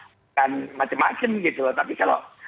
bukan macam macam gitu tapi kalau